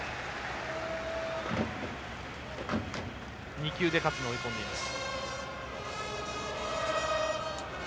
２球で勝野追い込んでいます。